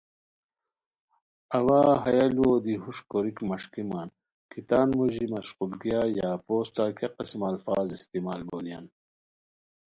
اوا ہیہ لُوؤ دی ہوݰ کوریک مݰکیمان کی تان موژی، مشقولگیہ یا پوسٹہ کیہ قسمہ الفاظ استعمال بونیان